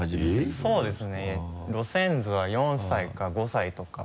そうですね